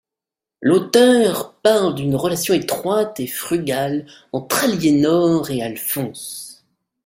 L'auteur parle d'une relation étroite et frugale entre Aliénor et Alphonse.